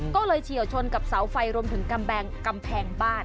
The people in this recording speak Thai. ก็เลยเฉียวชนกับเสาไฟรวมถึงกำแพงบ้าน